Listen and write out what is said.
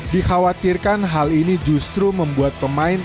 dikhawatirkan hal ini justru membuat pemain